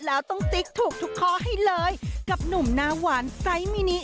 แล้วต้องติ๊กถูกทุกข้อให้เลยกับหนุ่มหน้าหวานไซส์มินิ